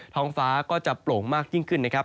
ท้องฟ้าก็จะโปร่งมากยิ่งขึ้นนะครับ